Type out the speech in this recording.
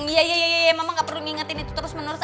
iya iya mama gak perlu ngingetin itu terus menerus